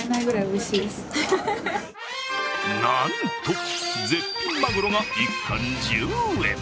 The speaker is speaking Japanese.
なんと絶品まぐろが１貫１０円！